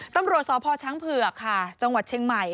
ตำรวจสพช้างเผือกค่ะจังหวัดเชียงใหม่